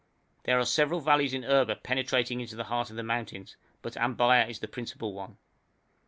There are several valleys in Erba penetrating into the heart of the mountains, but Ambaya is the principal one.